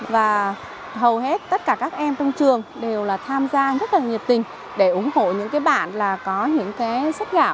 và hầu hết tất cả các em trong trường đều là tham gia rất là nhiệt tình để ủng hộ những cái bản là có những cái sách gạo